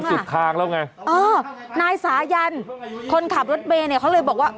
สุดทางแล้วไงเออนายสายันคนขับรถเมย์เนี่ยเขาเลยบอกว่า